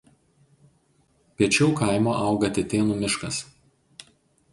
Piečiau kaimo auga Tetėnų miškas.